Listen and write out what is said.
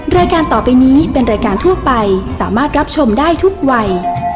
รายการต่อไปนี้เป็นรายการทั่วไปสามารถรับชมได้ทุกวัย